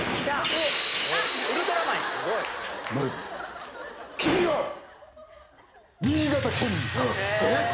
まず君は！え！？